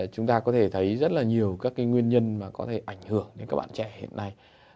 chúng ta có thể thấy rất là nhiều các cái nguyên nhân mà có thể ảnh hưởng đến các bạn trẻ hiện nay